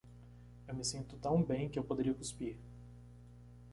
Eu me sinto tão bem que eu poderia cuspir.